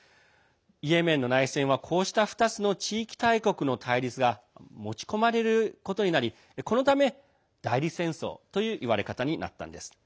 イエメンの内戦はこうした２つの地域大国の対立が持ち込まれることになりこのため、代理戦争といういわれ方になったんです。